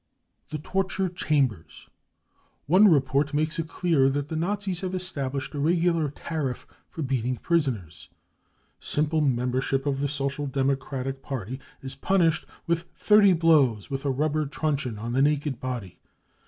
The Torture Chambers. One report mate the Nazis have established a regular tariff for beating prisoners :" Simple membership of the Social Democratic Party is punished with thirty blows with a rubber trun cheon on the naked body.